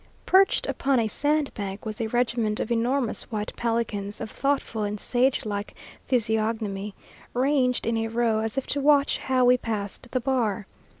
Perched upon a sandbank was a regiment of enormous white pelicans of thoughtful and sage like physiognomy, ranged in a row, as if to watch how we passed the bar.